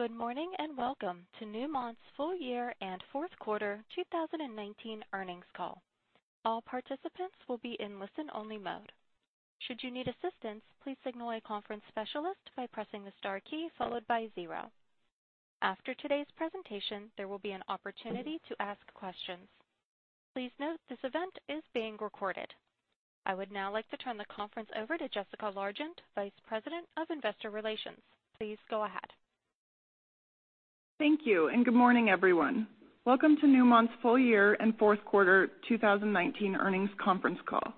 Good morning, welcome to Newmont's full year and fourth quarter 2019 earnings call. All participants will be in listen-only mode. Should you need assistance, please signal a conference specialist by pressing the star key followed by zero. After today's presentation, there will be an opportunity to ask questions. Please note this event is being recorded. I would now like to turn the conference over to Jessica Largent, Vice President of Investor Relations. Please go ahead. Thank you, good morning, everyone. Welcome to Newmont's full year and fourth quarter 2019 earnings conference call.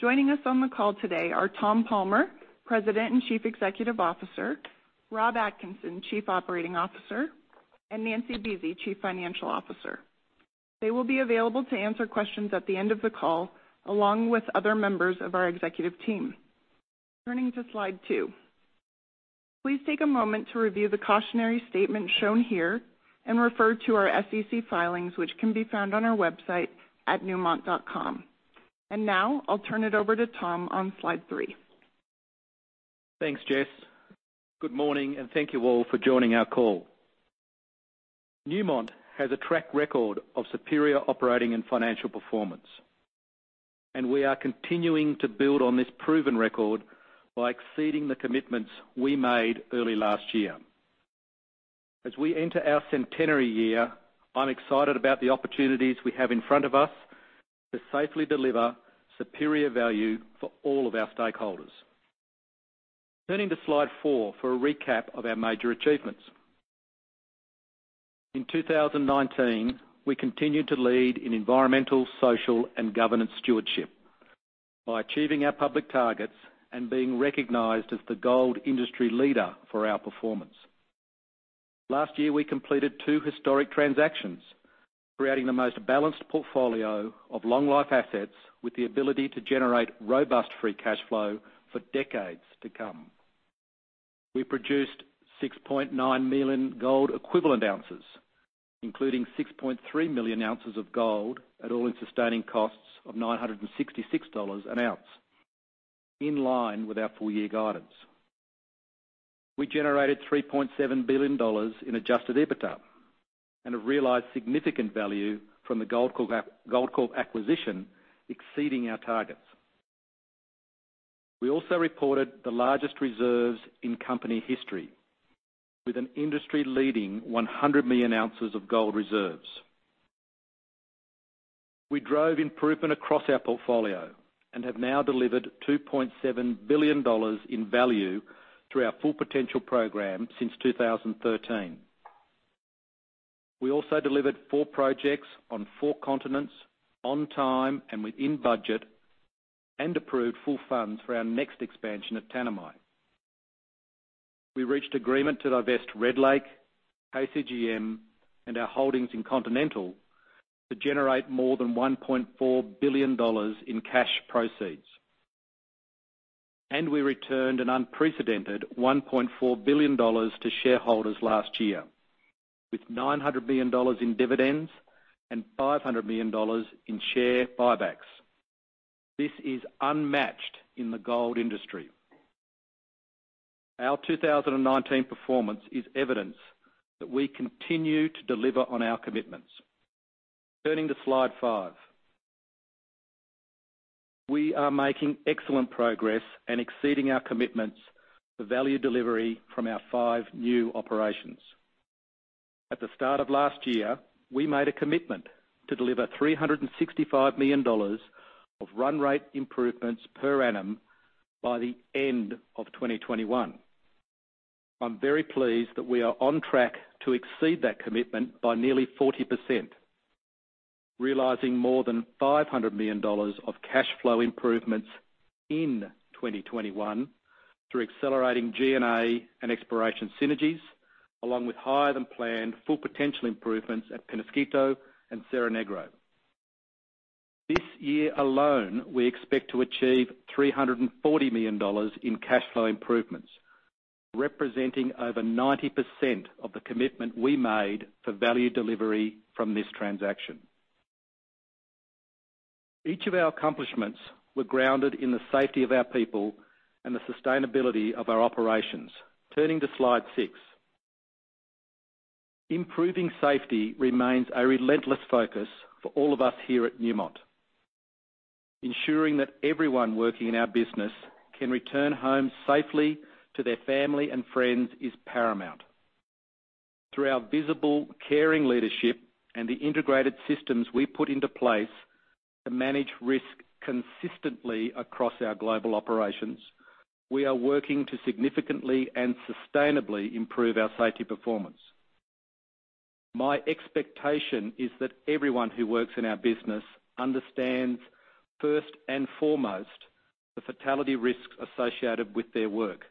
Joining us on the call today are Tom Palmer, President and Chief Executive Officer, Rob Atkinson, Chief Operating Officer, and Nancy Buese, Chief Financial Officer. They will be available to answer questions at the end of the call, along with other members of our executive team. Turning to slide two. Please take a moment to review the cautionary statement shown here and refer to our SEC filings, which can be found on our website at newmont.com. Now I'll turn it over to Tom on slide three. Thanks, Jess. Good morning. Thank you all for joining our call. Newmont has a track record of superior operating and financial performance. We are continuing to build on this proven record by exceeding the commitments we made early last year. As we enter our centenary year, I'm excited about the opportunities we have in front of us to safely deliver superior value for all of our stakeholders. Turning to slide four for a recap of our major achievements. In 2019, we continued to lead in environmental, social, and governance stewardship by achieving our public targets and being recognized as the gold industry leader for our performance. Last year, we completed two historic transactions, creating the most balanced portfolio of long-life assets with the ability to generate robust free cash flow for decades to come. We produced 6.9 million gold equivalent ounces, including 6.3 million ounces of gold at all-in sustaining costs of $966 an oz, in line with our full-year guidance. We generated $3.7 billion in adjusted EBITDA and have realized significant value from the Goldcorp acquisition, exceeding our targets. We also reported the largest reserves in company history with an industry-leading 100 million ounces of gold reserves. We drove improvement across our portfolio and have now delivered $2.7 billion in value through our Full Potential program since 2013. We also delivered four projects on four continents on time and within budget and approved full funds for our next expansion at Tanami. We reached agreement to divest Red Lake, KCGM, and our holdings in Continental to generate more than $1.4 billion in cash proceeds. We returned an unprecedented $1.4 billion to shareholders last year, with $900 million in dividends and $500 million in share buybacks. This is unmatched in the gold industry. Our 2019 performance is evidence that we continue to deliver on our commitments. Turning to slide five. We are making excellent progress and exceeding our commitments for value delivery from our five new operations. At the start of last year, we made a commitment to deliver $365 million of run rate improvements per annum by the end of 2021. I'm very pleased that we are on track to exceed that commitment by nearly 40%, realizing more than $500 million of cash flow improvements in 2021 through accelerating G&A and exploration synergies, along with higher-than-planned Full Potential improvements at Peñasquito and Cerro Negro. This year alone, we expect to achieve $340 million in cash flow improvements, representing over 90% of the commitment we made for value delivery from this transaction. Each of our accomplishments were grounded in the safety of our people and the sustainability of our operations. Turning to slide six. Improving safety remains a relentless focus for all of us here at Newmont. Ensuring that everyone working in our business can return home safely to their family and friends is paramount. Through our visible, caring leadership and the integrated systems we put into place to manage risk consistently across our global operations, we are working to significantly and sustainably improve our safety performance. My expectation is that everyone who works in our business understands, first and foremost, the fatality risks associated with their work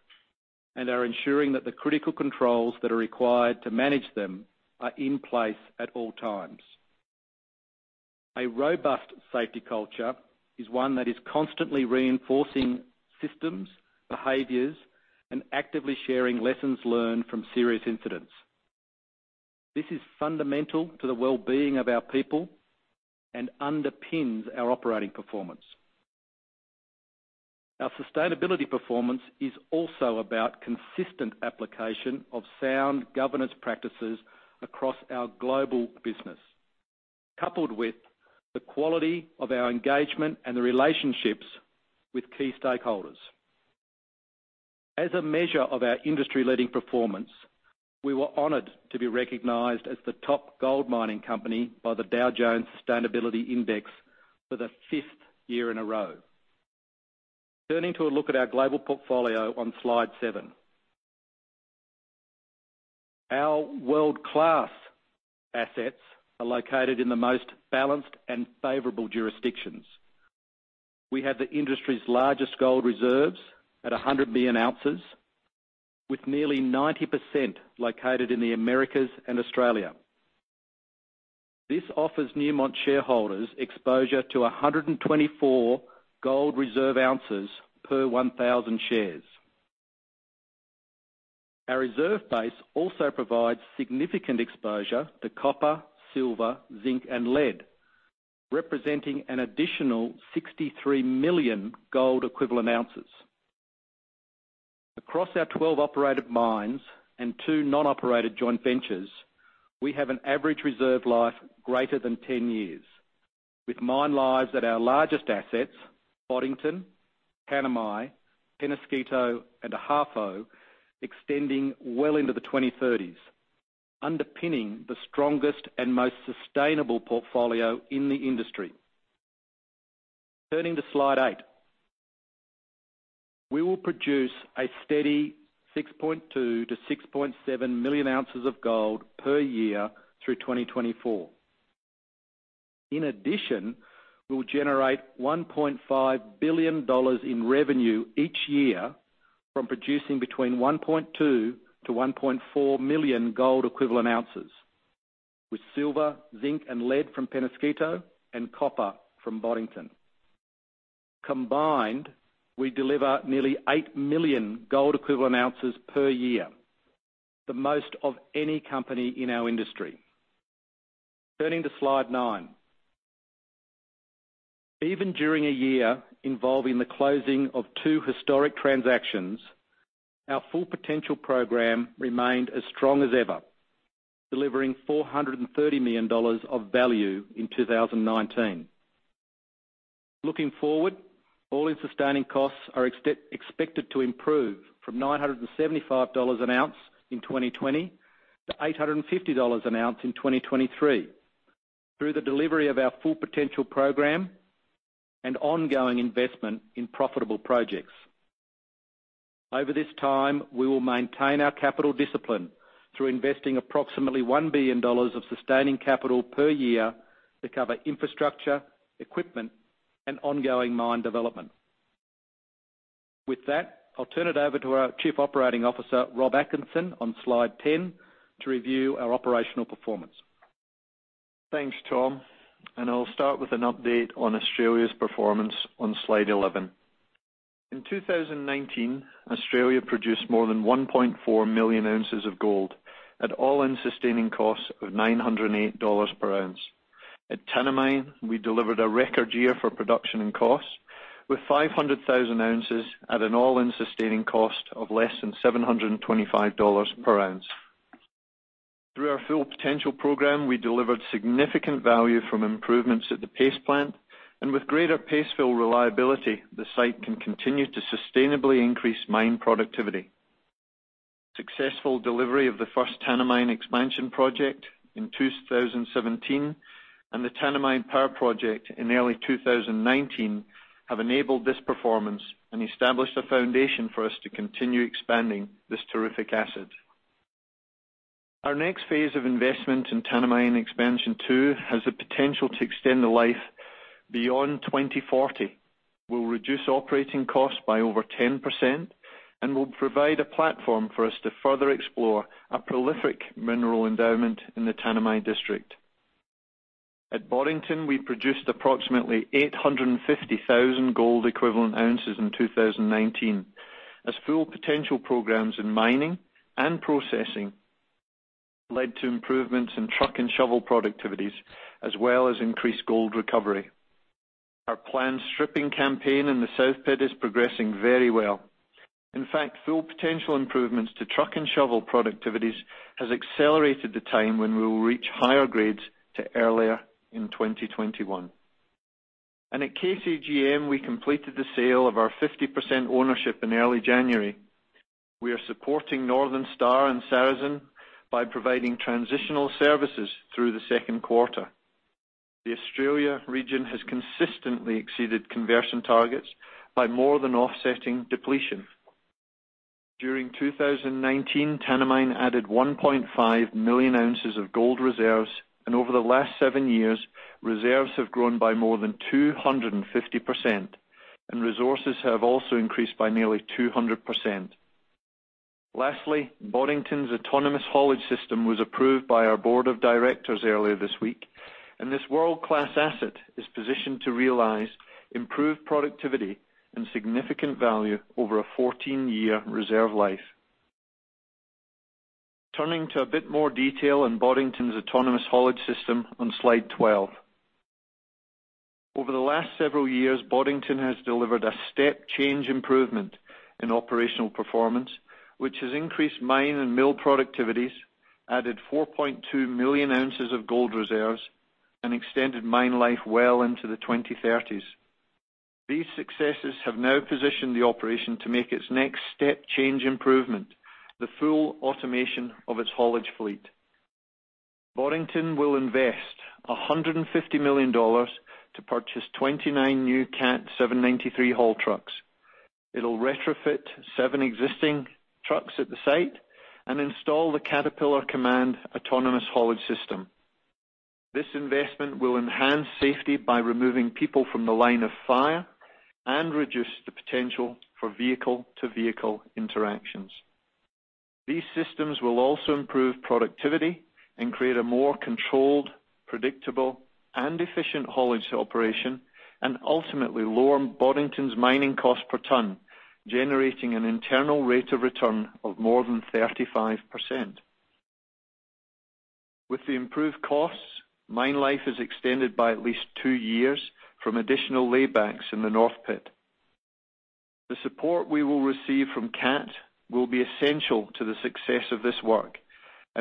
and are ensuring that the critical controls that are required to manage them are in place at all times. A robust safety culture is one that is constantly reinforcing systems, behaviors, and actively sharing lessons learned from serious incidents. This is fundamental to the well-being of our people and underpins our operating performance. Our sustainability performance is also about consistent application of sound governance practices across our global business, coupled with the quality of our engagement and the relationships with key stakeholders. As a measure of our industry-leading performance, we were honored to be recognized as the top gold mining company by the Dow Jones Sustainability Index for the fifth year in a row. Turning to a look at our global portfolio on slide seven. Our world-class assets are located in the most balanced and favorable jurisdictions. We have the industry's largest gold reserves at 100 million ounces, with nearly 90% located in the Americas and Australia. This offers Newmont shareholders exposure to 124 gold reserve oz per 1,000 shares. Our reserve base also provides significant exposure to copper, silver, zinc, and lead, representing an additional 63 million gold equivalent ounces. Across our 12 operated mines and two non-operated joint ventures, we have an average reserve life greater than 10 years. With mine lives at our largest assets, Boddington, Tanami, Peñasquito, and Ahafo, extending well into the 2030s, underpinning the strongest and most sustainable portfolio in the industry. Turning to Slide eight. We will produce a steady 6.2 million to 6.7 million ounces of gold per year through 2024. In addition, we'll generate $1.5 billion in revenue each year from producing between 1.2 million to 1.4 million gold equivalent ounces, with silver, zinc, and lead from Peñasquito and copper from Boddington. Combined, we deliver nearly 8 million gold equivalent ounces per year, the most of any company in our industry. Turning to Slide nine. Even during a year involving the closing of two historic transactions, our Full Potential program remained as strong as ever, delivering $430 million of value in 2019. Looking forward, all-in sustaining costs are expected to improve from $975 an oz in 2020 to $850 an oz in 2023 through the delivery of our Full Potential program and ongoing investment in profitable projects. Over this time, we will maintain our capital discipline through investing approximately $1 billion of sustaining capital per year to cover infrastructure, equipment, and ongoing mine development. With that, I'll turn it over to our Chief Operating Officer, Rob Atkinson, on Slide 10, to review our operational performance. Thanks, Tom, and I'll start with an update on Australia's performance on Slide 11. In 2019, Australia produced more than 1.4 million ounces of gold at all-in sustaining costs of $908 per oz. At Tanami, we delivered a record year for production and cost, with 500,000 oz at an all-in sustaining cost of less than $725 per oz. Through our Full Potential program, we delivered significant value from improvements at the paste plant, and with greater paste fill reliability, the site can continue to sustainably increase mine productivity. Successful delivery of the first Tanami Expansion Project in 2017 and the Tanami Power Project in early 2019 have enabled this performance and established a foundation for us to continue expanding this terrific asset. Our next phase of investment in Tanami Expansion 2 has the potential to extend the life beyond 2040. We'll reduce operating costs by over 10% and will provide a platform for us to further explore a prolific mineral endowment in the Tanami district. At Boddington, we produced approximately 850,000 GEO in 2019. As Full Potential programs in mining and processing led to improvements in truck and shovel productivities, as well as increased gold recovery. Our planned stripping campaign in the South Pit is progressing very well. In fact, Full Potential improvements to truck and shovel productivities has accelerated the time when we will reach higher grades to earlier in 2021. At KCGM, we completed the sale of our 50% ownership in early January. We are supporting Northern Star and Saracen by providing transitional services through the second quarter. The Australia region has consistently exceeded conversion targets by more than offsetting depletion. During 2019, Tanami added 1.5 million ounces of gold reserves, and over the last seven years, reserves have grown by more than 250%, and resources have also increased by nearly 200%. Lastly, Boddington's autonomous haulage system was approved by our board of directors earlier this week, and this world-class asset is positioned to realize improved productivity and significant value over a 14-year reserve life. Turning to a bit more detail on Boddington's autonomous haulage system on slide 12. Over the last several years, Boddington has delivered a step-change improvement in operational performance, which has increased mine and mill productivities, added 4.2 million ounces of gold reserves, and extended mine life well into the 2030s. These successes have now positioned the operation to make its next step-change improvement, the full automation of its haulage fleet. Boddington will invest $150 million to purchase 29 new Cat 793 haul trucks. It'll retrofit seven existing trucks at the site and install the Cat Command for hauling. This investment will enhance safety by removing people from the line of fire and reduce the potential for vehicle-to-vehicle interactions. These systems will also improve productivity and create a more controlled, predictable, and efficient haulage operation, and ultimately lower Boddington's mining cost per ton, generating an internal rate of return of more than 35%. With the improved costs, mine life is extended by at least two years from additional laybacks in the North Pit. The support we will receive from Cat will be essential to the success of this work.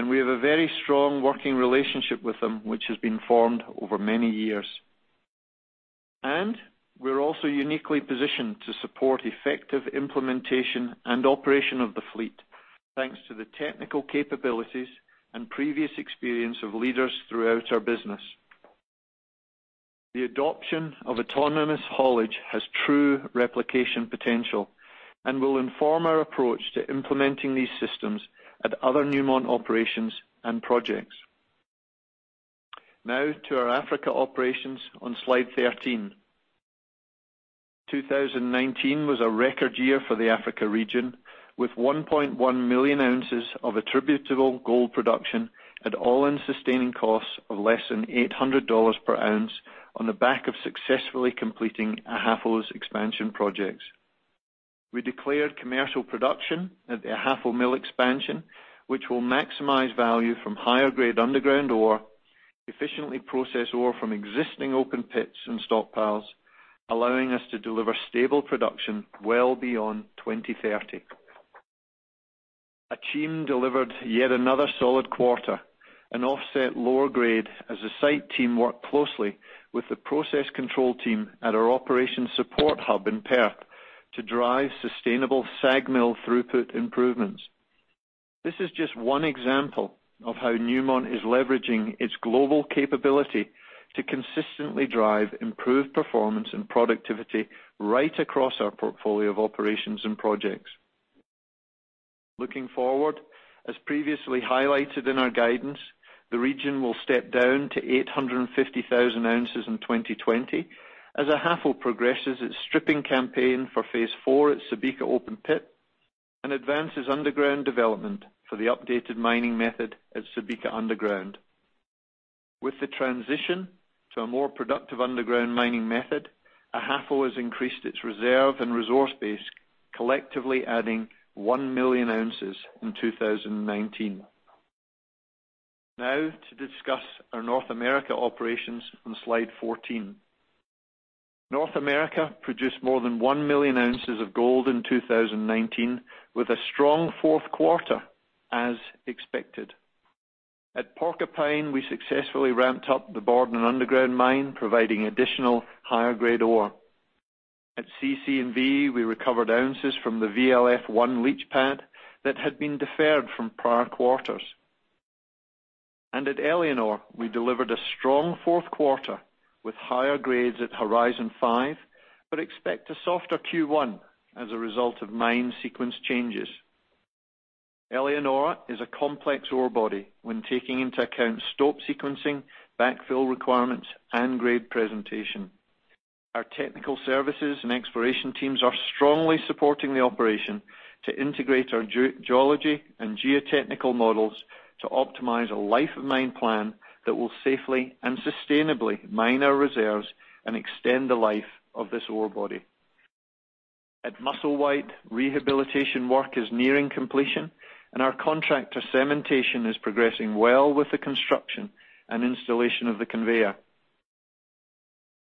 We have a very strong working relationship with them, which has been formed over many years. We're also uniquely positioned to support effective implementation and operation of the fleet, thanks to the technical capabilities and previous experience of leaders throughout our business. The adoption of autonomous haulage has true replication potential and will inform our approach to implementing these systems at other Newmont operations and projects. Now to our Africa operations on slide 13. 2019 was a record year for the Africa region, with 1.1 million ounces of attributable gold production at all-in sustaining costs of less than $800 per oz on the back of successfully completing Ahafo's expansion projects. We declared commercial production at the Ahafo Mill Expansion, which will maximize value from higher-grade underground ore, efficiently process ore from existing open pits and stockpiles, allowing us to deliver stable production well beyond 2030. Akyem delivered yet another solid quarter and offset lower grade as the site team worked closely with the process control team at our operations support hub in Perth to drive sustainable SAG mill throughput improvements. This is just one example of how Newmont is leveraging its global capability to consistently drive improved performance and productivity right across our portfolio of operations and projects. Looking forward, as previously highlighted in our guidance, the region will step down to 850,000 oz in 2020 as Ahafo progresses its stripping campaign for phase 4 at Subika open pit and advances underground development for the updated mining method at Subika Underground. With the transition to a more productive underground mining method, Ahafo has increased its reserve and resource base, collectively adding 1 million ounces in 2019. Now to discuss our North America operations on slide 14. North America produced more than 1 million ounces of gold in 2019, with a strong fourth quarter as expected. At Porcupine, we successfully ramped up the Borden underground mine, providing additional higher-grade ore. At CC&V, we recovered ounces from the VLF1 leach pad that had been deferred from prior quarters. At Éléonore, we delivered a strong fourth quarter with higher grades at Horizon 5 but expect a softer Q1 as a result of mine sequence changes. Éléonore is a complex ore body when taking into account stope sequencing, backfill requirements, and grade presentation. Our technical services and exploration teams are strongly supporting the operation to integrate our geology and geotechnical models to optimize a life of mine plan that will safely and sustainably mine our reserves and extend the life of this ore body. At Musselwhite, rehabilitation work is nearing completion, and our contractor Cementation is progressing well with the construction and installation of the conveyor.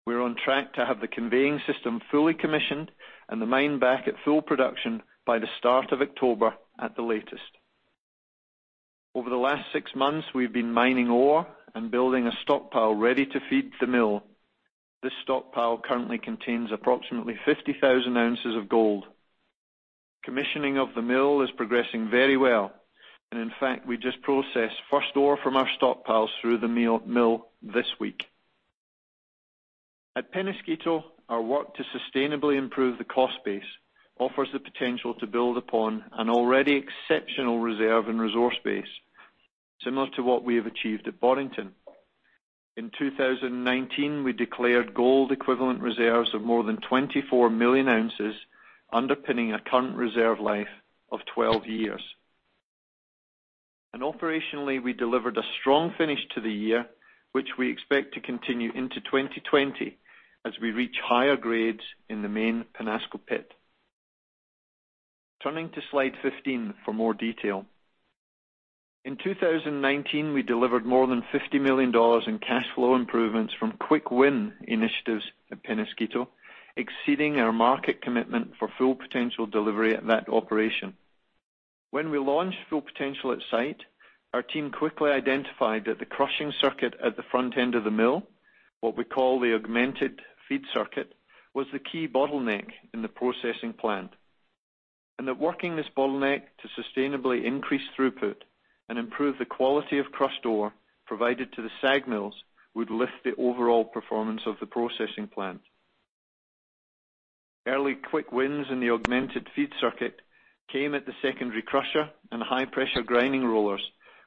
We're on track to have the conveying system fully commissioned and the mine back at full production by the start of October at the latest. Over the last six months, we've been mining ore and building a stockpile ready to feed the mill. This stockpile currently contains approximately 50,000 oz of gold. Commissioning of the mill is progressing very well. In fact, we just processed the first ore from our stockpiles through the mill this week. At Peñasquito, our work to sustainably improve the cost base offers the potential to build upon an already exceptional reserve and resource base, similar to what we have achieved at Boddington. In 2019, we declared gold equivalent reserves of more than 24 million ounces, underpinning a current reserve life of 12 years. Operationally, we delivered a strong finish to the year, which we expect to continue into 2020 as we reach higher grades in the main Peñasco pit. Turning to slide 15 for more detail. In 2019, we delivered more than $50 million in cash flow improvements from quick win initiatives at Peñasquito, exceeding our market commitment for Full Potential delivery at that operation. When we launched Full Potential at Site, our team quickly identified that the crushing circuit at the front end of the mill, what we call the augmented feed circuit, was the key bottleneck in the processing plant, and that working this bottleneck to sustainably increase throughput and improve the quality of crushed ore provided to the SAG mills would lift the overall performance of the processing plant. Early quick wins in the augmented feed circuit came at the secondary crusher and high-pressure grinding rollers,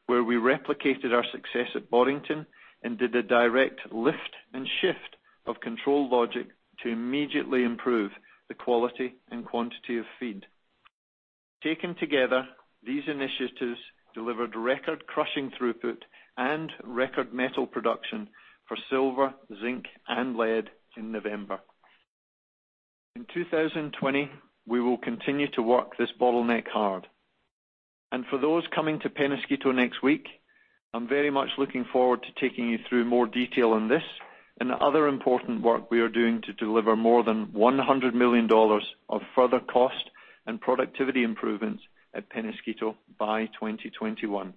where we replicated our success at Boddington and did a direct lift and shift of control logic to immediately improve the quality and quantity of feed. Taken together, these initiatives delivered record crushing throughput and record metal production for silver, zinc, and lead in November. In 2020, we will continue to work this bottleneck hard, and for those coming to Peñasquito next week, I'm very much looking forward to taking you through more detail on this and the other important work we are doing to deliver more than $100 million of further cost and productivity improvements at Peñasquito by 2021.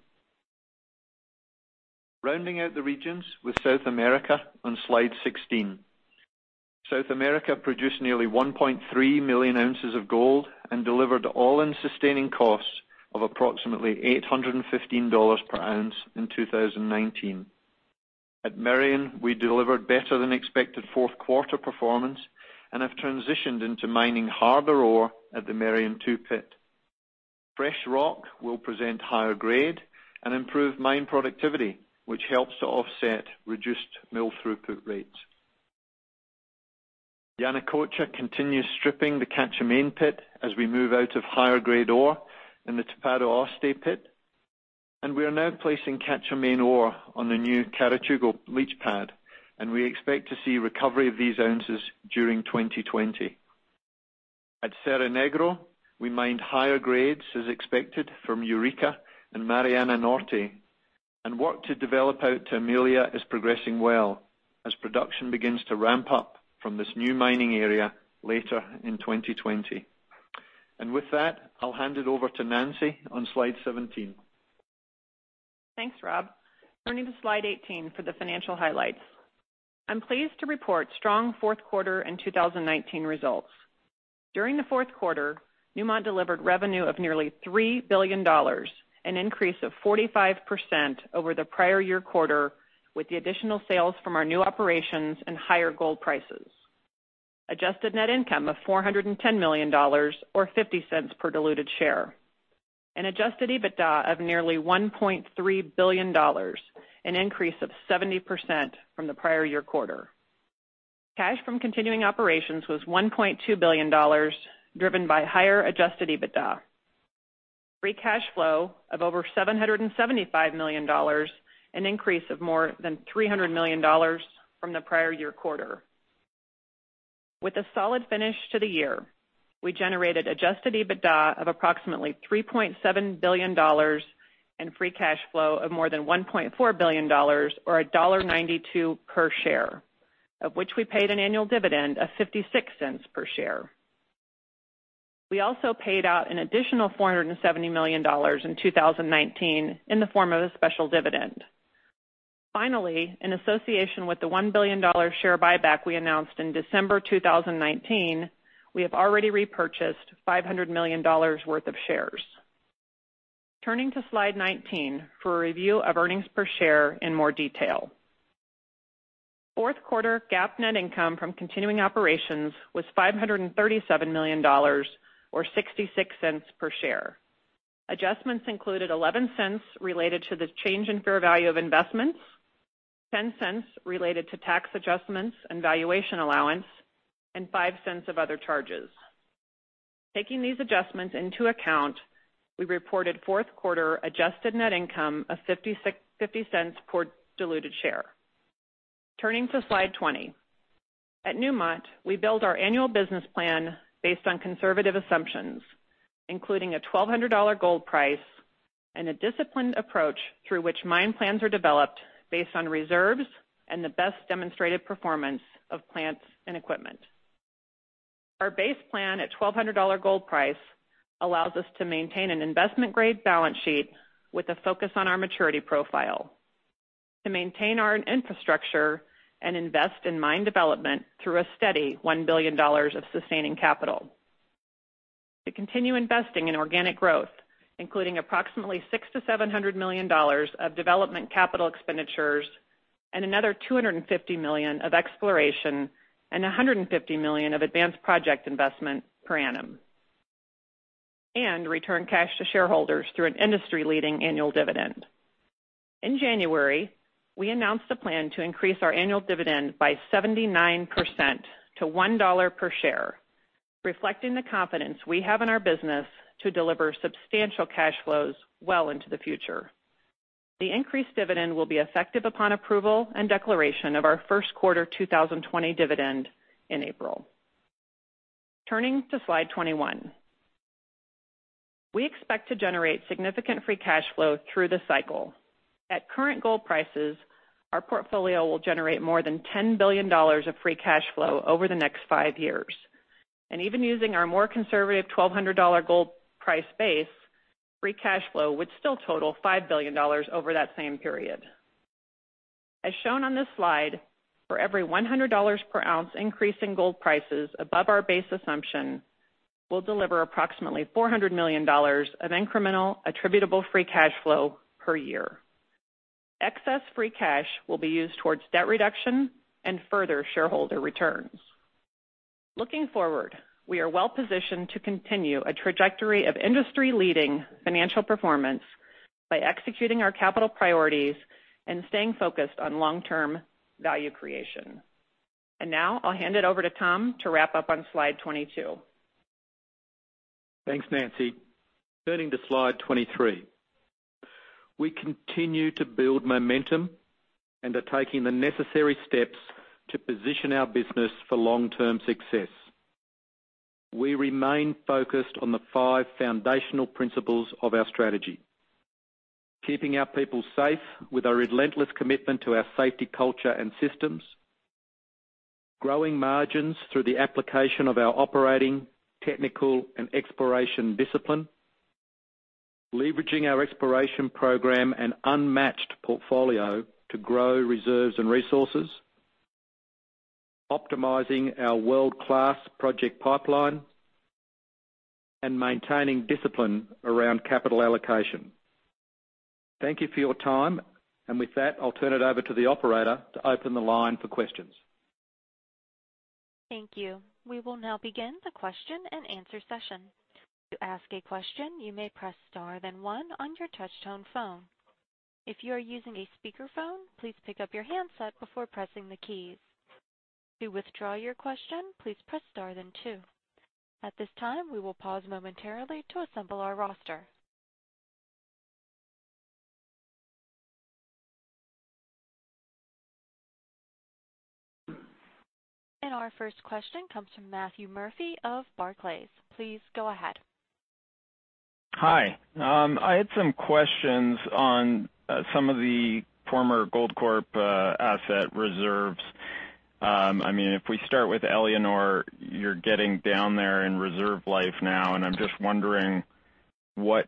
Rounding out the regions with South America on slide 16. South America produced nearly 1.3 million ounces of gold and delivered all-in sustaining costs of approximately $815 per oz in 2019. At Merian, we delivered better-than-expected fourth quarter performance and have transitioned into mining harder ore at the Merian 2 pit. Fresh rock will present higher grade and improve mine productivity, which helps to offset reduced mill throughput rates. Yanacocha continues stripping the Quecher Main pit as we move out of higher-grade ore in the Tapado Oeste pit. We are now placing Quecher Main ore on the new Carachugo leach pad, and we expect to see recovery of these ounces during 2020. At Cerro Negro, we mined higher grades, as expected, from Eureka and Mariana Norte, and work to develop out Tamia is progressing well as production begins to ramp up from this new mining area later in 2020. With that, I'll hand it over to Nancy on slide 17. Thanks, Rob. Turning to slide 18 for the financial highlights. I'm pleased to report strong fourth quarter and 2019 results. During the fourth quarter, Newmont delivered revenue of nearly $3 billion, an increase of 45% over the prior year quarter, with the additional sales from our new operations and higher gold prices, adjusted net income of $410 million, or $0.50 per diluted share, and adjusted EBITDA of nearly $1.3 billion, an increase of 70% from the prior year quarter. Cash from continuing operations was $1.2 billion, driven by higher adjusted EBITDA. Free cash flow of over $775 million, an increase of more than $300 million from the prior year quarter. With a solid finish to the year, we generated adjusted EBITDA of approximately $3.7 billion and free cash flow of more than $1.4 billion, or $1.92 per share, of which we paid an annual dividend of $0.56 per share. We also paid out an additional $470 million in 2019 in the form of a special dividend. Finally, in association with the $1 billion share buyback we announced in December 2019, we have already repurchased $500 million worth of shares. Turning to slide 19 for a review of earnings per share in more detail. Fourth quarter GAAP net income from continuing operations was $537 million, or $0.66 per share. Adjustments included $0.11 related to the change in fair value of investments, $0.10 related to tax adjustments and valuation allowance, and $0.05 of other charges. Taking these adjustments into account, we reported fourth-quarter adjusted net income of $0.50 per diluted share. Turning to slide 20. At Newmont, we build our annual business plan based on conservative assumptions, including a $1,200 gold price and a disciplined approach through which mine plans are developed based on reserves and the best demonstrated performance of plants and equipment. Our base plan at $1,200 gold price allows us to maintain an investment-grade balance sheet with a focus on our maturity profile to maintain our infrastructure and invest in mine development through a steady $1 billion of sustaining capital, to continue investing in organic growth, including approximately $600 million-$700 million of development capital expenditures and another $250 million of exploration and $150 million of advanced project investment per annum, and return cash to shareholders through an industry-leading annual dividend. In January, we announced a plan to increase our annual dividend by 79% to $1 per share, reflecting the confidence we have in our business to deliver substantial cash flows well into the future. The increased dividend will be effective upon approval and declaration of our first quarter 2020 dividend in April. Turning to slide 21. We expect to generate significant free cash flow through the cycle. At current gold prices, our portfolio will generate more than $10 billion of free cash flow over the next five years. Even using our more conservative $1,200 gold price base, free cash flow would still total $5 billion over that same period. As shown on this slide, for every $100 per oz increase in gold prices above our base assumption, we'll deliver approximately $400 million of incremental attributable free cash flow per year. Excess free cash will be used towards debt reduction and further shareholder returns. Looking forward, we are well-positioned to continue a trajectory of industry-leading financial performance by executing our capital priorities and staying focused on long-term value creation. Now I'll hand it over to Tom to wrap up on slide 22. Thanks, Nancy. Turning to slide 23. We continue to build momentum and are taking the necessary steps to position our business for long-term success. We remain focused on the five foundational principles of our strategy, keeping our people safe with our relentless commitment to our safety culture and systems, growing margins through the application of our operating, technical, and exploration discipline, leveraging our exploration program and unmatched portfolio to grow reserves and resources, optimizing our world-class project pipeline, and maintaining discipline around capital allocation. Thank you for your time. With that, I'll turn it over to the operator to open the line for questions. Thank you. We will now begin the question and answer session. To ask a question, you may press star, then one on your touch tone phone. If you are using a speakerphone, please pick up your handset before pressing the keys. To withdraw your question, please press star then two. At this time, we will pause momentarily to assemble our roster. Our first question comes from Matthew Murphy of Barclays. Please go ahead. Hi. I had some questions on some of the former Goldcorp asset reserves. If we start with Éléonore, you're getting down there in reserve life now, and I'm just wondering what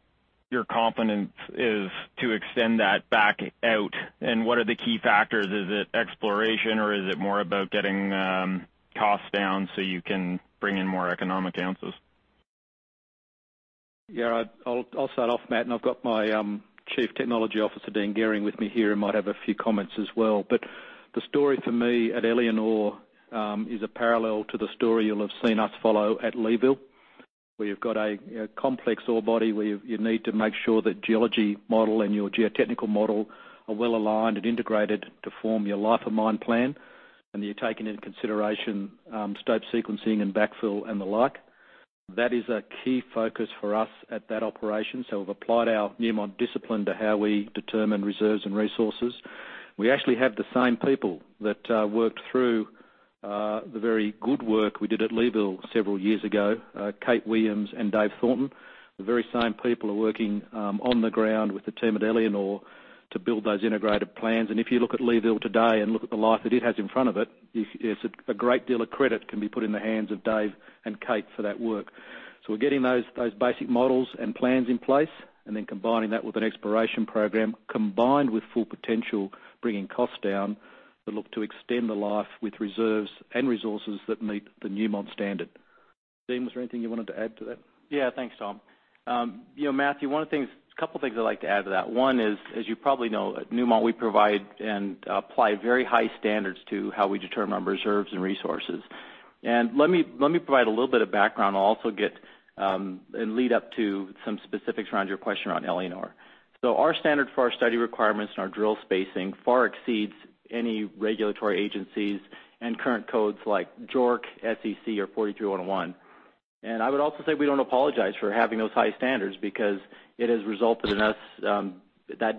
your confidence is to extend that back out, and what are the key factors? Is it exploration or is it more about getting costs down so you can bring in more economic ounces? Yeah, I'll start off, Matt, and I've got my Chief Technology Officer, Dean Gehring, with me here who might have a few comments as well. The story for me at Éléonore is a parallel to the story you'll have seen us follow at Leeville, where you've got a complex ore body where you need to make sure that geology model and your geotechnical model are well aligned and integrated to form your Life of Mine plan, and you're taking into consideration stope sequencing and backfill and the like. That is a key focus for us at that operation. We've applied our Newmont discipline to how we determine reserves and resources. We actually have the same people that worked through the very good work we did at Leeville several years ago, Kate Williams and David Thornton. The very same people are working on the ground with the team at Éléonore to build those integrated plans. If you look at Leeville today and look at the life that it has in front of it, a great deal of credit can be put in the hands of Dave and Kate for that work. We're getting those basic models and plans in place and then combining that with an exploration program, combined with Full Potential, bringing costs down that look to extend the life with reserves and resources that meet the Newmont standard. Dean, was there anything you wanted to add to that? Thanks, Tom. Matthew, a couple things I'd like to add to that. One is, as you probably know, at Newmont, we provide and apply very high standards to how we determine our reserves and resources. Let me provide a little bit of background. I'll also get and lead up to some specifics around your question around Éléonore. Our standard for our study requirements and our drill spacing far exceeds any regulatory agencies and current codes like JORC, SEC, or 43-101. I would also say we don't apologize for having those high standards because that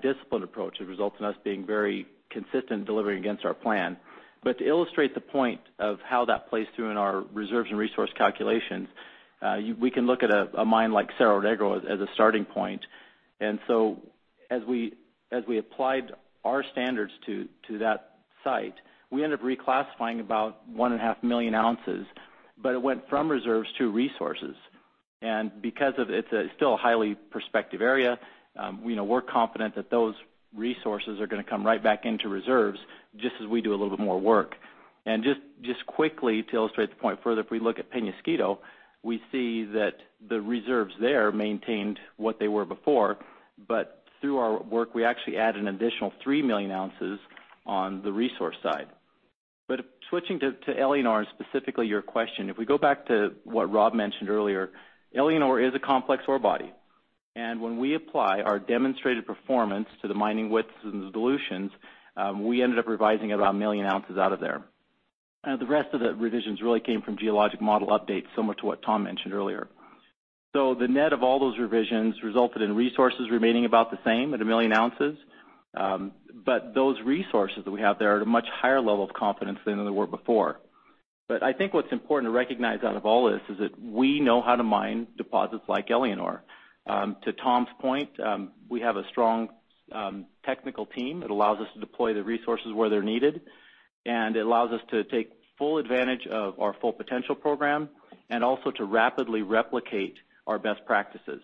disciplined approach has resulted in us being very consistent delivering against our plan. To illustrate the point of how that plays through in our reserves and resource calculations, we can look at a mine like Cerro Negro as a starting point. As we applied our standards to that site, we ended up reclassifying about 1.5 million ounces, but it went from reserves to resources. Because it's still a highly prospective area, we're confident that those resources are going to come right back into reserves just as we do a little bit more work. Just quickly to illustrate the point further, if we look at Peñasquito, we see that the reserves there maintained what they were before. Through our work, we actually added an additional 3 million ounces on the resource side. Switching to Éléonore and specifically your question, if we go back to what Rob mentioned earlier, Éléonore is a complex ore body, and when we apply our demonstrated performance to the mining widths and the dilutions, we ended up revising about 1 million ounces out of there. The rest of the revisions really came from geologic model updates, similar to what Tom mentioned earlier. The net of all those revisions resulted in resources remaining about the same at 1 million ounces. Those resources that we have there are at a much higher level of confidence than they were before. I think what's important to recognize out of all this is that we know how to mine deposits like Éléonore. To Tom's point, we have a strong technical team that allows us to deploy the resources where they're needed, and it allows us to take full advantage of our Full Potential program and also to rapidly replicate our best practices.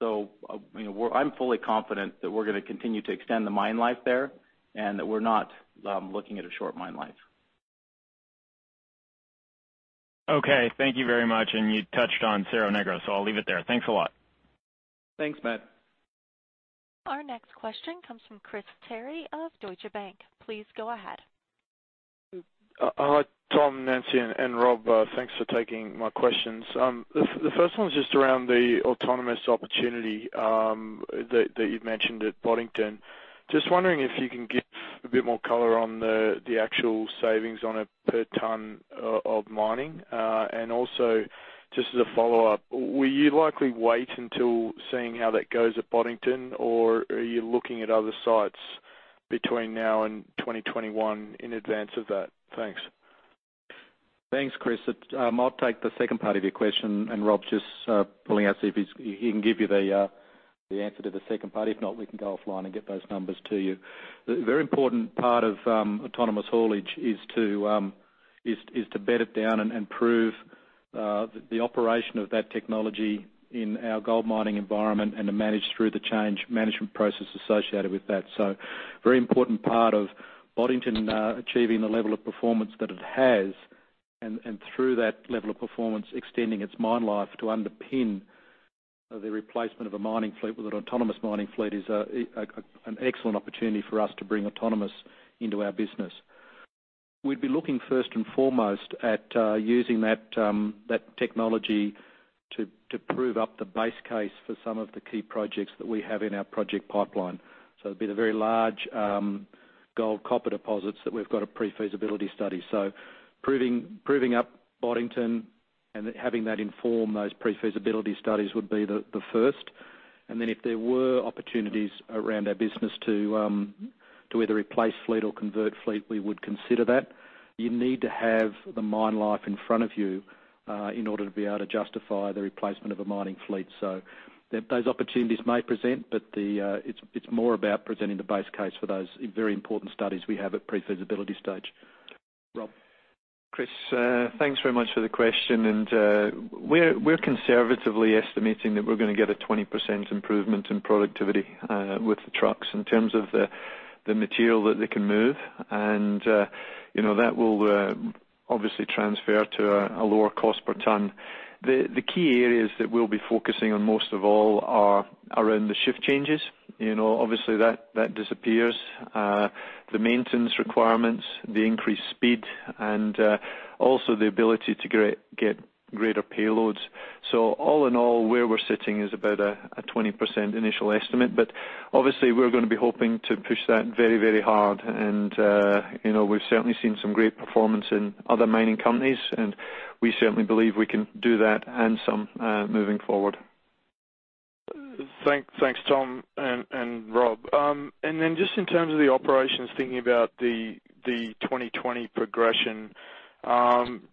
I'm fully confident that we're going to continue to extend the mine life there and that we're not looking at a short mine life. Okay. Thank you very much. You touched on Cerro Negro, so I'll leave it there. Thanks a lot. Thanks, Matt. Our next question comes from Chris Terry of Deutsche Bank. Please go ahead. Hi, Tom, Nancy, and Rob. Thanks for taking my questions. The first one is just around the autonomous opportunity that you've mentioned at Boddington. Just wondering if you can give a bit more color on the actual savings on a per ton of mining. Also, just as a follow-up, will you likely wait until seeing how that goes at Boddington, or are you looking at other sites between now and 2021 in advance of that? Thanks. Thanks, Chris. I might take the second part of your question, and Rob's just pulling out, see if he can give you the answer to the second part. If not, we can go offline and get those numbers to you. A very important part of autonomous haulage is to bed it down and prove the operation of that technology in our gold mining environment and to manage through the change management process associated with that. Very important part of Boddington achieving the level of performance that it has, and through that level of performance, extending its mine life to underpin the replacement of a mining fleet with an autonomous mining fleet is an excellent opportunity for us to bring autonomous into our business. We'd be looking first and foremost at using that technology to prove up the base case for some of the key projects that we have in our project pipeline. It'd be the very large gold copper deposits that we've got a pre-feasibility study. Proving up Boddington and having that inform those pre-feasibility studies would be the first. Then if there were opportunities around our business to either replace fleet or convert fleet, we would consider that. You need to have the mine life in front of you in order to be able to justify the replacement of a mining fleet. Those opportunities may present, but it's more about presenting the base case for those very important studies we have at pre-feasibility stage. Rob? Chris, thanks very much for the question. We're conservatively estimating that we're going to get a 20% improvement in productivity with the trucks in terms of the material that they can move, and that will obviously transfer to a lower cost per ton. The key areas that we'll be focusing on most of all are around the shift changes. Obviously, that disappears. The maintenance requirements, the increased speed, and also the ability to get greater payloads. All in all, where we're sitting is about a 20% initial estimate, but obviously, we're going to be hoping to push that very hard. We've certainly seen some great performance in other mining companies, and we certainly believe we can do that and some moving forward. Thanks, Tom and Rob. Then just in terms of the operations, thinking about the 2020 progression,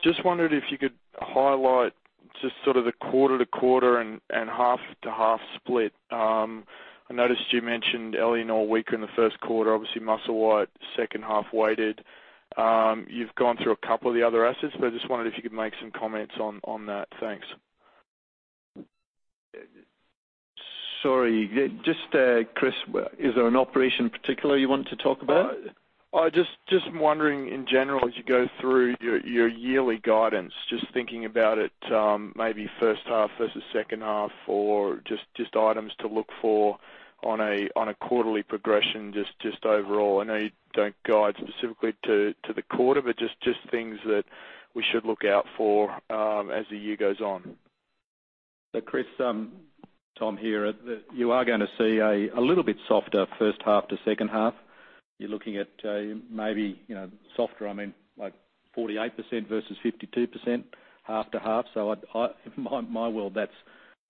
just wondered if you could highlight just sort of the quarter to quarter and half to half split. I noticed you mentioned Éléonore weaker in the first quarter, obviously Musselwhite second half weighted. You've gone through a couple of the other assets, but I just wondered if you could make some comments on that. Thanks. Sorry. Just, Chris, is there an operation in particular you wanted to talk about? Just wondering in general, as you go through your yearly guidance, just thinking about it maybe first half versus second half or just items to look for on a quarterly progression, just overall. I know you don't guide specifically to the quarter, just things that we should look out for as the year goes on. Chris, Tom here. You are going to see a little bit softer first half to second half. You're looking at maybe softer, I mean, like 48% versus 52%, half to half. In my world, that's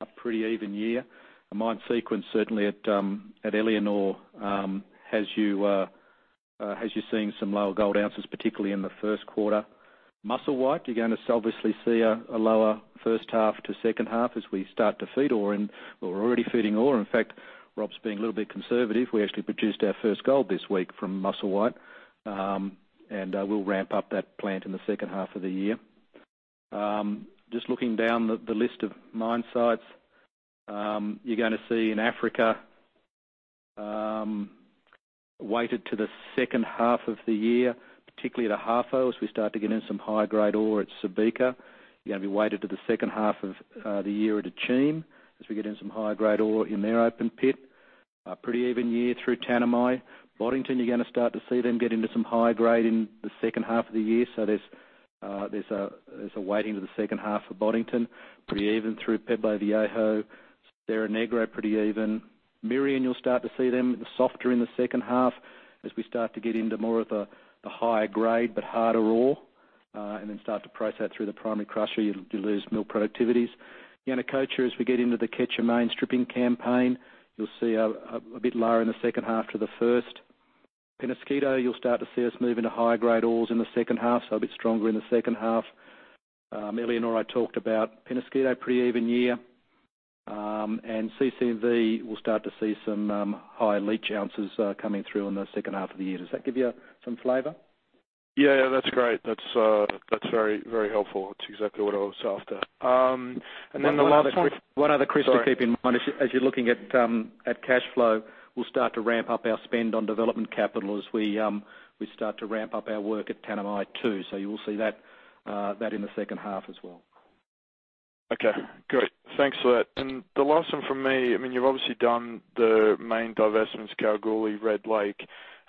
a pretty even year. A mine sequence, certainly at Éléonore, has you seeing some lower gold ounces, particularly in the first quarter. Musselwhite, you're going to obviously see a lower first half to second half as we start to feed ore in. We're already feeding ore. In fact, Rob's being a little bit conservative. We actually produced our first gold this week from Musselwhite, and we'll ramp up that plant in the second half of the year. Just looking down the list of mine sites, you're going to see in Africa, weighted to the second half of the year, particularly at Ahafo, as we start to get in some high-grade ore at Subika. You're going to be weighted to the second half of the year at Akyem, as we get in some high-grade ore in their open pit. A pretty even year through Tanami. Boddington, you're going to start to see them get into some high grade in the second half of the year. There's a weighting to the second half for Boddington. Pretty even through Pueblo Viejo, Cerro Negro, pretty even. Merian, you'll start to see them softer in the second half as we start to get into more of the higher grade but harder ore. Start to price that through the primary crusher, you lose mill productivities. Yanacocha, as we get into the Quecher Main stripping campaign, you'll see a bit lower in the second half to the first. Peñasquito, you'll start to see us move into higher-grade ores in the second half, so a bit stronger in the second half. Éléonore talked about Peñasquito pre-even year. CC&V will start to see some high leach ounces coming through in the second half of the year. Does that give you some flavor? Yeah. That's great. That's very helpful. That's exactly what I was after. The last one. One other crimp to keep in mind as you're looking at cash flow, we'll start to ramp up our spend on development capital as we start to ramp up our work at Tanami 2. You will see that in the second half as well. Okay, great. Thanks for that. The last one from me, you've obviously done the main divestments, Kalgoorlie, Red Lake.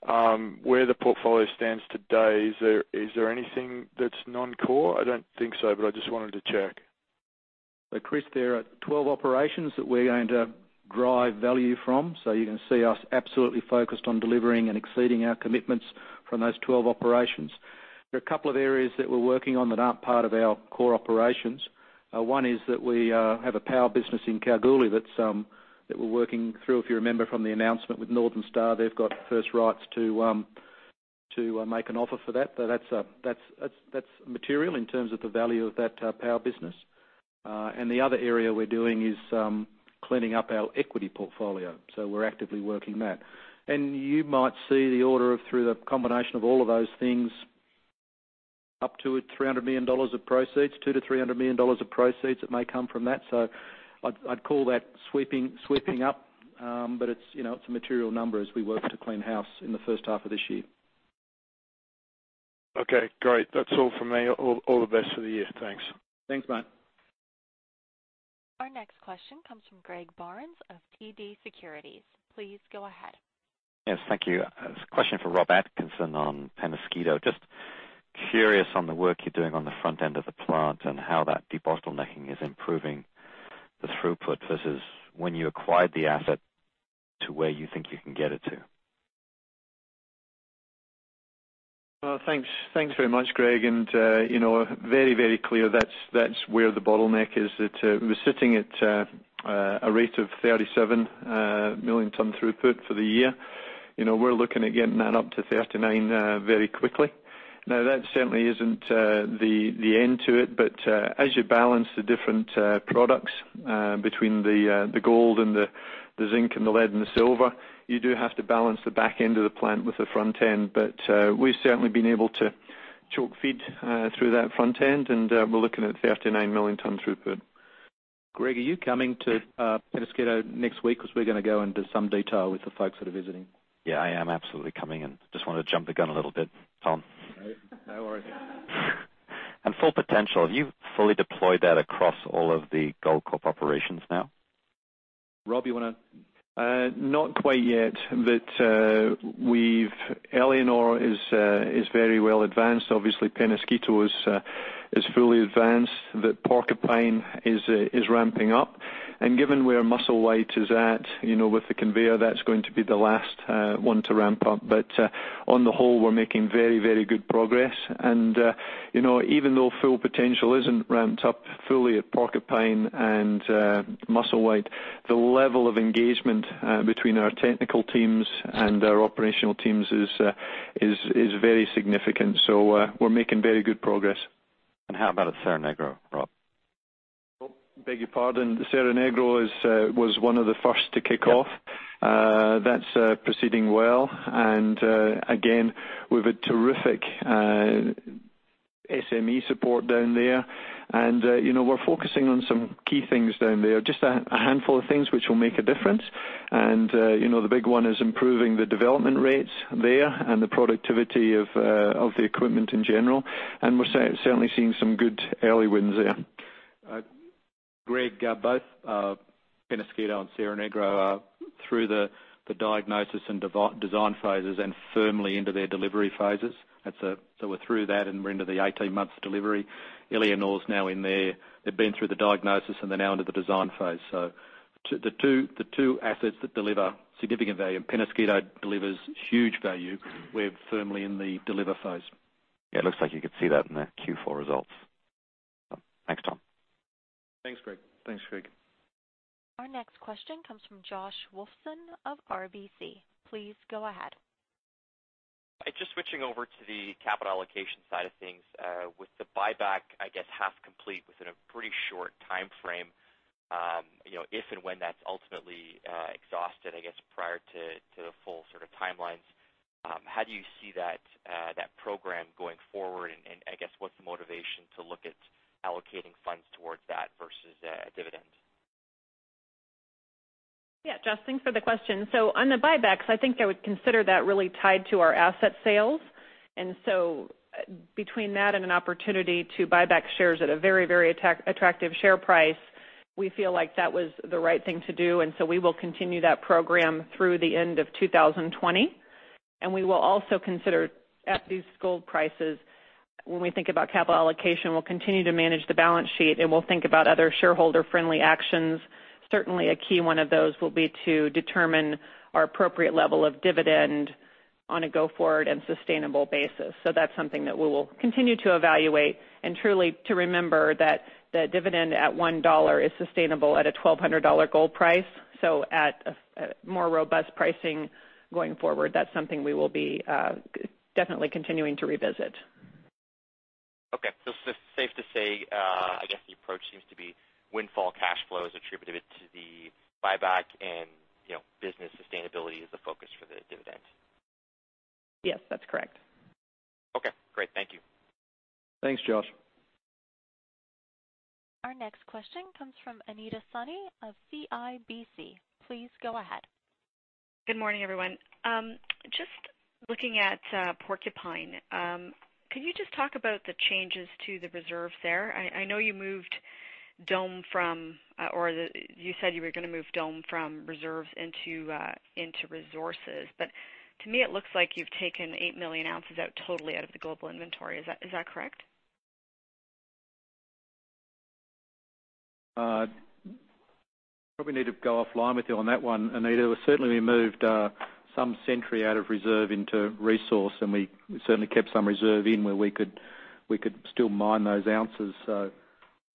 Where the portfolio stands today, is there anything that's non-core? I don't think so, but I just wanted to check. Chris, there are 12 operations that we're going to drive value from. You're going to see us absolutely focused on delivering and exceeding our commitments from those 12 operations. There are a couple of areas that we're working on that aren't part of our core operations. One is that we have a power business in Kalgoorlie that we're working through. If you remember from the announcement with Northern Star, they've got first rights to make an offer for that. That's material in terms of the value of that power business. The other area we're doing is cleaning up our equity portfolio. We're actively working that. You might see the order of, through the combination of all of those things, up to $300 million of proceeds, $200 million-$300 million of proceeds that may come from that. I'd call that sweeping up. It's a material number as we work to clean house in the first half of this year. Okay, great. That's all from me. All the best for the year. Thanks. Thanks. Our next question comes from Greg Barnes of TD Securities. Please go ahead. Yes, thank you. This is a question for Rob Atkinson on Peñasquito. Just curious on the work you're doing on the front end of the plant and how that debottlenecking is improving the throughput versus when you acquired the asset to where you think you can get it to. Well, thanks very much, Greg, and very clear that's where the bottleneck is. That we're sitting at a rate of 37 million ton throughput for the year. We're looking at getting that up to 39 million very quickly. Now, that certainly isn't the end to it, but as you balance the different products between the gold and the zinc and the lead and the silver, you do have to balance the back end of the plant with the front end. We've certainly been able to choke feed through that front end, and we're looking at 39 million ton throughput. Greg, are you coming to Peñasquito next week? We're going to go into some detail with the folks that are visiting. Yeah, I am absolutely coming in. Just wanted to jump the gun a little bit, Tom. No worries. Full Potential, have you fully deployed that across all of the Goldcorp operations now? Rob, you want to? Not quite yet. Éléonore is very well advanced. Obviously, Peñasquito is fully advanced. Porcupine is ramping up. Given where Musselwhite is at with the conveyor, that's going to be the last one to ramp up. On the whole, we're making very good progress. Even though Full Potential isn't ramped up fully at Porcupine and Musselwhite, the level of engagement between our technical teams and our operational teams is very significant. We're making very good progress. How about at Cerro Negro, Rob? Beg your pardon. Cerro Negro was one of the first to kick off. That's proceeding well. Again, we've a terrific SME support down there. We're focusing on some key things down there. Just a handful of things which will make a difference. The big one is improving the development rates there and the productivity of the equipment in general. We're certainly seeing some good early wins there. Greg, both Peñasquito and Cerro Negro are through the diagnosis and design phases and firmly into their delivery phases. We're through that, and we're into the 18 months delivery. Éléonore's now in there. They've been through the diagnosis, and they're now under the design phase. The two assets that deliver significant value, and Peñasquito delivers huge value, we're firmly in the deliver phase. Yeah, it looks like you could see that in the Q4 results. Thanks, Tom. Thanks, Greg. Thanks, Greg. Our next question comes from Josh Wolfson of RBC. Please go ahead. Just switching over to the capital allocation side of things. With the buyback, I guess, half complete within a pretty short timeframe, if and when that's ultimately exhausted, I guess, prior to the full sort of timelines, how do you see that program going forward? What's the motivation to look at allocating funds towards that versus a dividend? Yeah, Josh, thanks for the question. On the buybacks, I think I would consider that really tied to our asset sales. Between that and an opportunity to buy back shares at a very attractive share price, we feel like that was the right thing to do. We will continue that program through the end of 2020. We will also consider at these gold prices, when we think about capital allocation, we'll continue to manage the balance sheet, and we'll think about other shareholder-friendly actions. Certainly, a key one of those will be to determine our appropriate level of dividend on a go forward and sustainable basis. That's something that we will continue to evaluate and truly to remember that the dividend at $1 is sustainable at a $1,200 gold price. At a more robust pricing going forward, that's something we will be definitely continuing to revisit. Okay. Safe to say, I guess the approach seems to be windfall cash flows attributed to the buyback and business sustainability is the focus for the dividend. Yes, that's correct. Okay, great. Thank you. Thanks, Josh. Our next question comes from Anita Soni of CIBC. Please go ahead. Good morning, everyone. Just looking at Porcupine. Could you just talk about the changes to the reserves there? I know you said you were going to move Dome from reserves into resources. To me, it looks like you've taken 8 million ounces out totally out of the global inventory. Is that correct? I probably need to go offline with you on that one, Anita. Certainly we moved some Century Project out of reserve into resource, and we certainly kept some reserve in where we could still mine those ounces.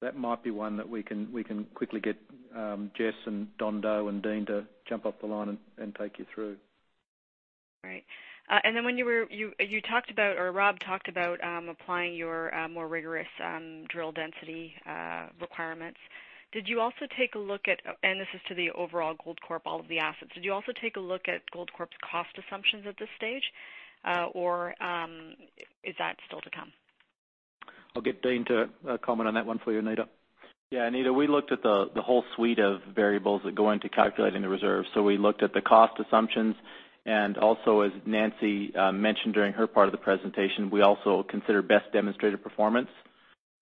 That might be one that we can quickly get Jess and Dean to jump off the line and take you through. All right. Then Rob talked about applying your more rigorous drill density requirements. Did you also take a look at, and this is to the overall Goldcorp, all of the assets, did you also take a look at Goldcorp's cost assumptions at this stage? Or is that still to come? I'll get Dean to comment on that one for you, Anita. Yeah. Anita, we looked at the whole suite of variables that go into calculating the reserve. We looked at the cost assumptions, and also, as Nancy mentioned during her part of the presentation, we also consider best demonstrated performance.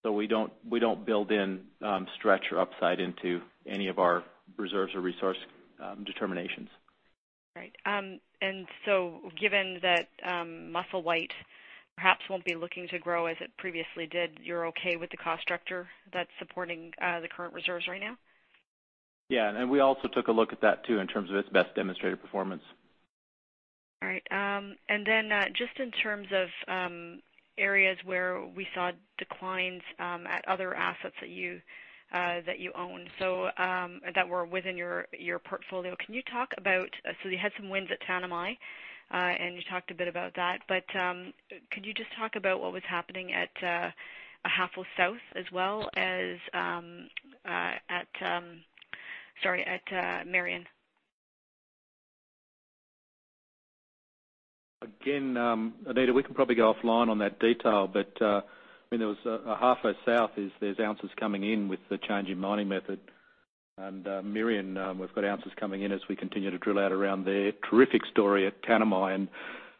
We don't build in stretch or upside into any of our reserves or resource determinations. Right. Given that Musselwhite perhaps won't be looking to grow as it previously did, you're okay with the cost structure that's supporting the current reserves right now? Yeah. We also took a look at that too, in terms of its best demonstrated performance. All right. Just in terms of areas where we saw declines at other assets that you own, that were within your portfolio. You had some wins at Tanami, and you talked a bit about that, could you just talk about what was happening at Ahafo South as well as at Merian? Anita, we can probably go offline on that detail, but I mean, there was an Ahafo South, there's ounces coming in with the change in mining method. Merian, we've got ounces coming in as we continue to drill out around there. Terrific story at Tanami, and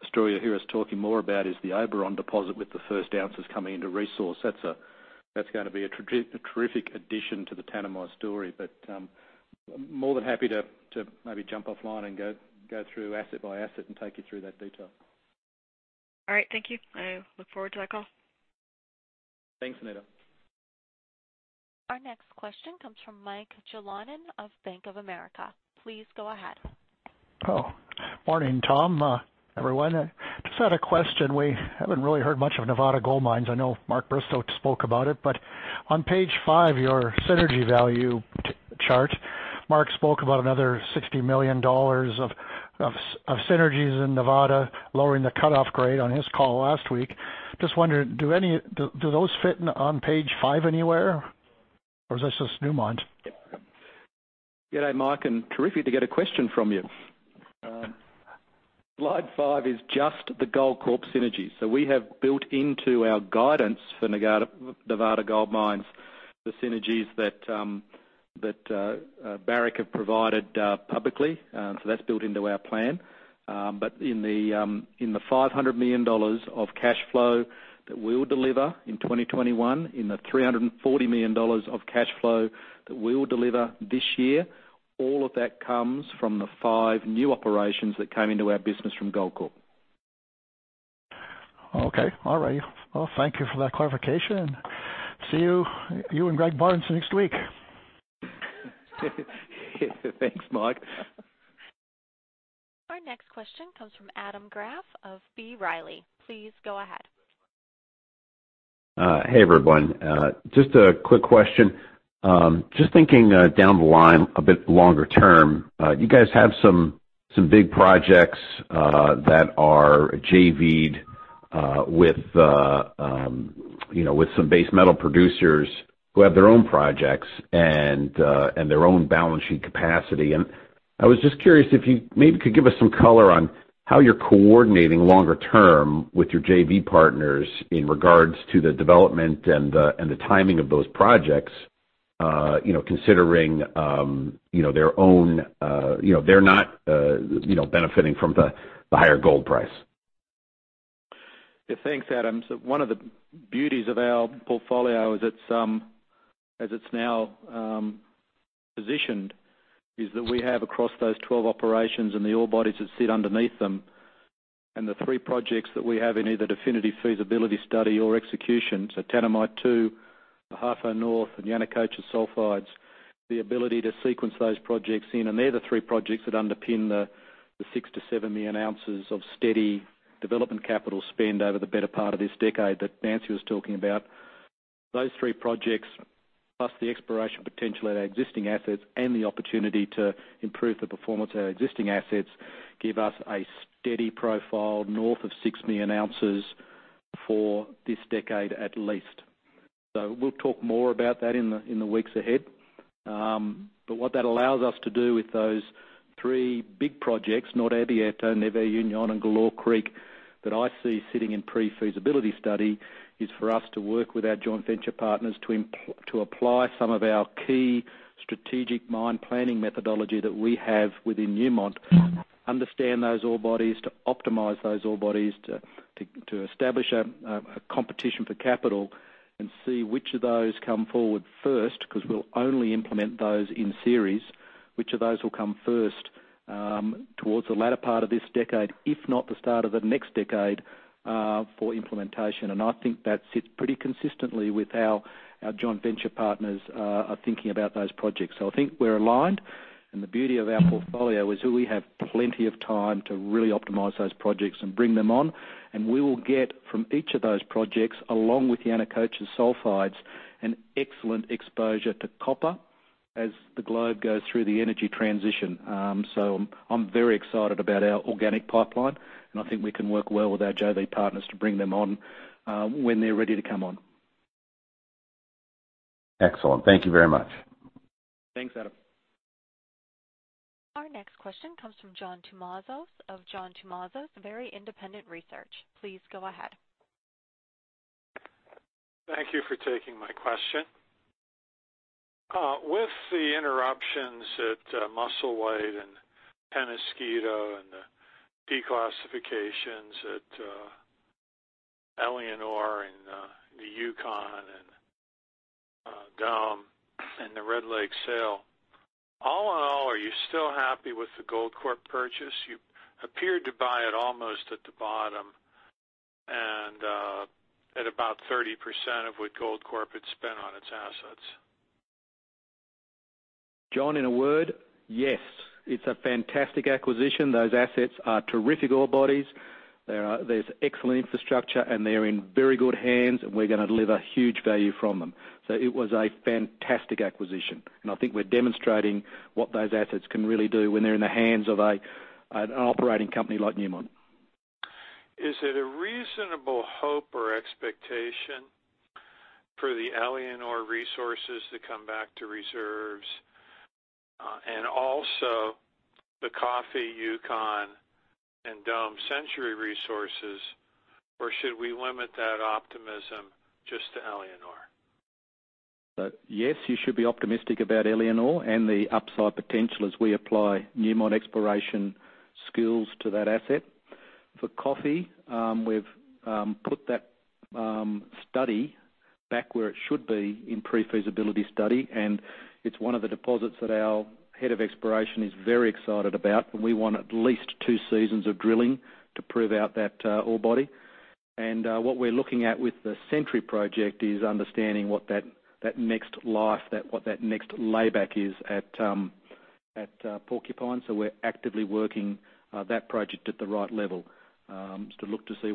a story you'll hear us talking more about is the Oberon deposit with the first ounces coming into resource. That's going to be a terrific addition to the Tanami story. More than happy to maybe jump offline and go through asset by asset and take you through that detail. All right. Thank you. I look forward to that call. Thanks, Anita. Our next question comes from Mike Jalonen of Bank of America. Please go ahead. Morning, Tom, everyone. Just had a question. We haven't really heard much of Nevada Gold Mines. I know Mark Bristow spoke about it. On page five, your synergy value chart, Mark spoke about another $60 million of synergies in Nevada, lowering the cutoff grade on his call last week. Just wondering, do those fit on page five anywhere, or is this just Newmont? Good day, Mike, terrific to get a question from you. Slide five is just the Goldcorp synergies. We have built into our guidance for Nevada Gold Mines, the synergies that Barrick have provided publicly. That's built into our plan. In the $500 million of cash flow that we'll deliver in 2021, in the $340 million of cash flow that we'll deliver this year, all of that comes from the five new operations that came into our business from Goldcorp. Okay. All right. Well, thank you for that clarification. See you and Greg Barnes next week. Thanks, Mike. Our next question comes from Adam Graf of B. Riley. Please go ahead. Hey, everyone. Just a quick question. Just thinking down the line a bit longer term. You guys have some big projects that are JV'd with some base metal producers who have their own projects and their own balance sheet capacity. I was just curious if you maybe could give us some color on how you're coordinating longer term with your JV partners in regards to the development and the timing of those projects considering they're not benefiting from the higher gold price. Yeah. Thanks, Adam. One of the beauties of our portfolio as it's now positioned is that we have across those 12 operations and the ore bodies that sit underneath them and the three projects that we have in either definitive feasibility study or execution. Tanami Expansion 2, Ahafo North and Yanacocha Sulfides, the ability to sequence those projects in. They're the three projects that underpin the 6 million-7 million ounces of steady development capital spend over the better part of this decade that Nancy was talking about. Those three projects, plus the exploration potential at our existing assets and the opportunity to improve the performance of our existing assets, give us a steady profile north of 6 million ounces for this decade at least. We'll talk more about that in the weeks ahead. What that allows us to do with those three big projects, Norte Abierto, NuevaUnión, and Galore Creek, that I see sitting in pre-feasibility study, is for us to work with our joint venture partners to apply some of our key strategic mine planning methodology that we have within Newmont. Understand those ore bodies, to optimize those ore bodies, to establish a competition for capital and see which of those come forward first, because we'll only implement those in series. Which of those will come first towards the latter part of this decade, if not the start of the next decade, for implementation. I think that sits pretty consistently with how our joint venture partners are thinking about those projects. I think we're aligned, and the beauty of our portfolio is that we have plenty of time to really optimize those projects and bring them on. We will get from each of those projects, along with Yanacocha Sulfides, an excellent exposure to copper as the globe goes through the energy transition. I'm very excited about our organic pipeline, and I think we can work well with our JV partners to bring them on when they're ready to come on. Excellent. Thank you very much. Thanks, Adam. Our next question comes from John Tumazos of John Tumazos Very Independent Research. Please go ahead. Thank you for taking my question. With the interruptions at Musselwhite and Peñasquito and the declassifications at Éléonore and the Yukon and Dome and the Red Lake sale, all in all, are you still happy with the Goldcorp purchase? You appeared to buy it almost at the bottom and at about 30% of what Goldcorp had spent on its assets. John, in a word, yes. It's a fantastic acquisition. Those assets are terrific ore bodies. There's excellent infrastructure, and they're in very good hands, and we're going to deliver huge value from them. It was a fantastic acquisition. I think we're demonstrating what those assets can really do when they're in the hands of an operating company like Newmont. Is it a reasonable hope or expectation for the Éléonore resources to come back to reserves and also the Coffee, Yukon, and Dome Century resources? Should we limit that optimism just to Éléonore? Yes, you should be optimistic about Éléonore and the upside potential as we apply Newmont exploration skills to that asset. For Coffee, we've put that study back where it should be in pre-feasibility study. It's one of the deposits that our head of exploration is very excited about. We want at least two seasons of drilling to prove out that ore body. What we're looking at with the Century Project is understanding what that next life, what that next layback is at Porcupine. We're actively working that project at the right level to look to see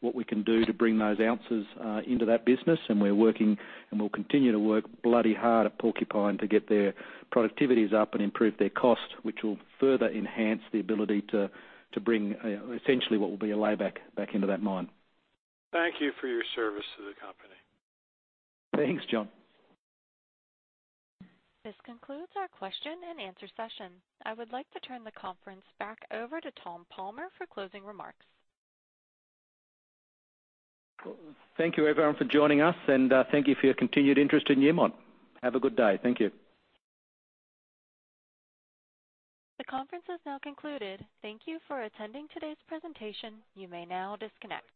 what we can do to bring those ounces into that business. We're working, and we'll continue to work bloody hard at Porcupine to get their productivities up and improve their cost, which will further enhance the ability to bring essentially what will be a layback back into that mine. Thank you for your service to the company. Thanks, John. This concludes our question and answer session. I would like to turn the conference back over to Tom Palmer for closing remarks. Thank you, everyone, for joining us, and thank you for your continued interest in Newmont. Have a good day. Thank you. The conference is now concluded. Thank you for attending today's presentation. You may now disconnect.